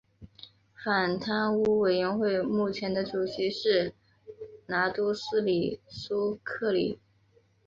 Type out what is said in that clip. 反贪污委员会目前的主席是拿督斯里苏克里。